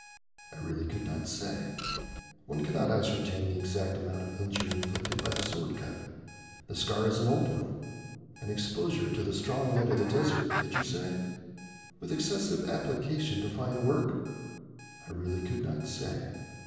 "I really could not say. One cannot ascertain the exact amount of injury inflicted by the sword cut. The scar is an old one, and—exposure to the strong light of the desert, did you say?—with excessive application to fine work? I really could not say?"